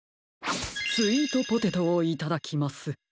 スイートポテトをいただきます！